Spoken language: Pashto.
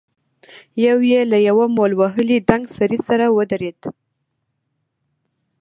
يو يې له يوه مول وهلي دنګ سړي سره ودرېد.